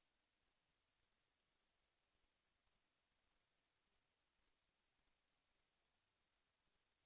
แสวได้ไงของเราก็เชียนนักอยู่ค่ะเป็นผู้ร่วมงานที่ดีมาก